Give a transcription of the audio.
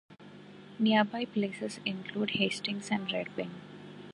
Nearby places include Hastings and Red Wing.